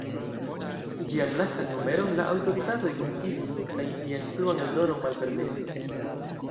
Ĝian lastan numeron la aŭtoritatoj konfiskis kaj ĝian pluan eldonon malpermesis.